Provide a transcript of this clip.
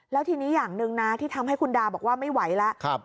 แล้วทีนี้อย่างหนึ่งนะที่ทำให้คุณดาบอกว่าไม่ไหวแล้ว